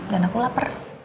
dan aku lapar